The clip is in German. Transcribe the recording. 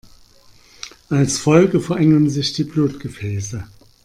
Als Folge verengen sich die Blutgefäße.